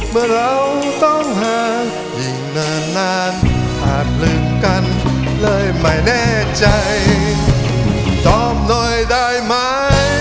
เมื่อเราต้องหางอย่างนานผ่านลึกกันเลยไม่แน่ใจ